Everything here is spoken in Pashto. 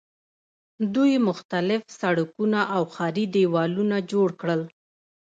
دوی مختلف سړکونه او ښاري دیوالونه جوړ کړل.